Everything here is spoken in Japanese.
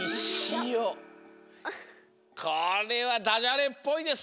これはダジャレっぽいです。